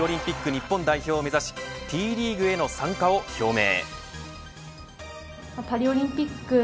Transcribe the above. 日本代表を目指しＴリーグへの参加を表明。